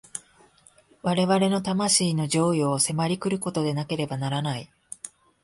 我々の魂の譲与を迫り来ることでなければならない。